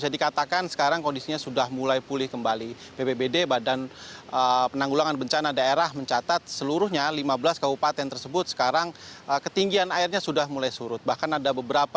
selamat sore yuda